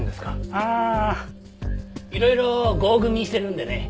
あーいろいろ合組してるんでね。